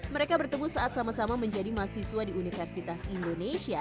mereka bertemu saat sama sama menjadi mahasiswa di universitas indonesia